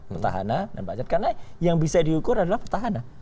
petahana dan pak cet karena yang bisa diukur adalah petahana